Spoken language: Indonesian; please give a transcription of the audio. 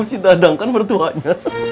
masih dadang kan bertuahnya